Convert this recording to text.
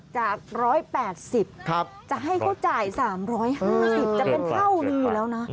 จาก๑๘๐บาทจะให้เขาจ่าย๓๕๐บาทจะเป็นเท่านี้แล้วนะ